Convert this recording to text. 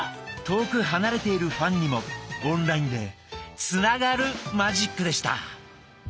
遠く離れているファンにもオンラインでつながるマジックでした。